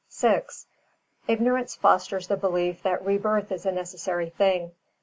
VI Ignorance fosters the belief that rebirth is a necessary thing.